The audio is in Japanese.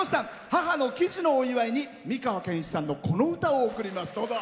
母の喜寿のお祝いに美川憲一さんのこの歌を贈ります。